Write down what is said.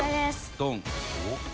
ドン！